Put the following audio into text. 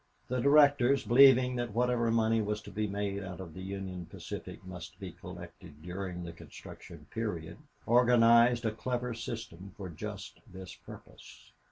The directors, believing that whatever money was to be made out of the Union Pacific must be collected during the construction period, organized a clever system for just this purpose.